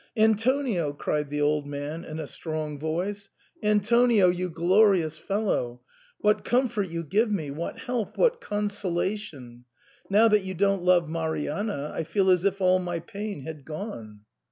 "Antonio," cried the old man, in a strong voice, SIGNOR FORMICA. in " AntoniOy you glorious fellow ! What comfort you give me — what help — what consolation ! Now that you don't love Marianna I feel as if all my pain had gone.